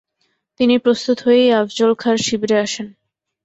তিনি প্রস্তুত হয়েই আফজল খাঁর শিবিরে আসেন।